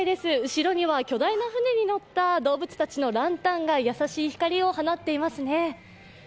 後ろには巨大な船に乗った動物たちのランタンが優しい光を放っていますね。